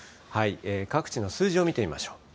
各地の数字を見てみましょう。